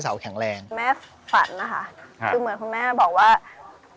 ชื่องนี้ชื่องนี้ชื่องนี้ชื่องนี้ชื่องนี้ชื่องนี้